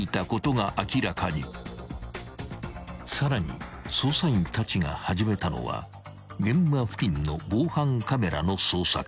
［さらに捜査員たちが始めたのは現場付近の防犯カメラの捜索］